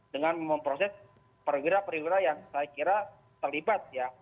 dengan memproses perwira perwira yang saya kira terlibat ya